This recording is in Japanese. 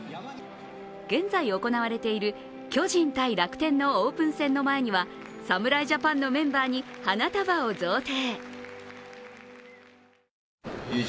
現在行われている巨人×楽天のオープン戦の前には侍ジャパンのメンバーに花束を贈呈。